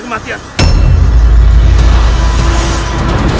kosti apa yang harus dilakukan